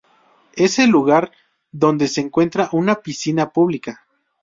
Es el lugar donde se encuentra una piscina pública.